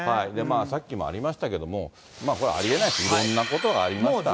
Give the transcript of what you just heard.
さっきもありましたけれども、これはありえない、いろんなことがありました。